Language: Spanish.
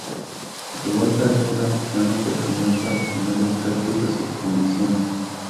El Golpe abría la gran oportunidad para poner en práctica sus convicciones.